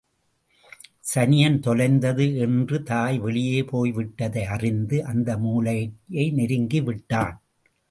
சனியன் தொலைந்தது என்று தாய் வெளியே போய்விட்டதை அறிந்து, அந்த மூலையை நெருங்கி விட்டான்.